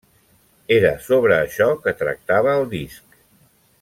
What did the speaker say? Era sobre això que tractava el disc.